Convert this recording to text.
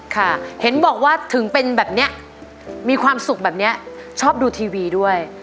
ค่ะเห็นบอกว่าถึงเป็นแบบนี้มีความสุขแบบนี้ชอบดูทีวีด้วย